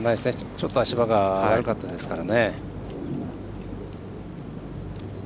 ちょっと足場が悪かったですから。